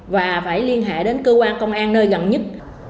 và phải liên hệ đến cơ quan công an nơi gần nhất